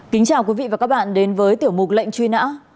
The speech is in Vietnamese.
kính chào quý vị và các bạn đến với tiểu mục lệnh truy nã